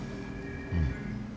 うん。